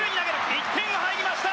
１点が入りました。